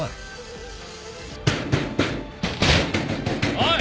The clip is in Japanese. おい！